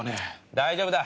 大丈夫だ！